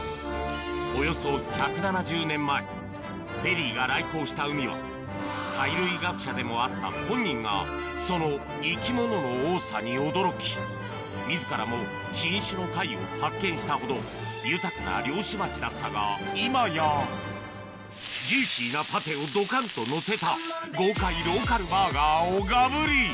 およそ１７０年前ペリーが来航した海は貝類学者でもあった本人がその生き物の多さに驚き自らも新種の貝を発見したほど豊かな漁師町だったが今やジューシーなパテをドカンとのせた豪快ローカルバーガーをがぶり！